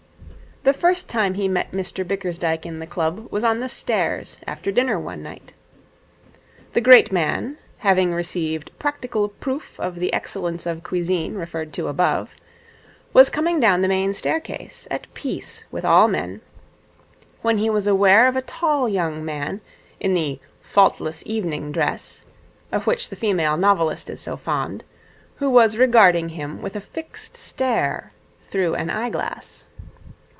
The first time he met Mr Bickersdyke in the club was on the stairs after dinner one night. The great man, having received practical proof of the excellence of cuisine referred to above, was coming down the main staircase at peace with all men, when he was aware of a tall young man in the 'faultless evening dress' of which the female novelist is so fond, who was regarding him with a fixed stare through an eye glass.